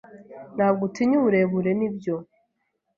Ntabwo utinya uburebure, nibyo?